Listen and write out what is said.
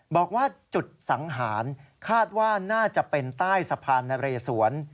บอกว่าจุดสังหารคาดว่าน่าจะเป็นใต้สะพานนะเรสวน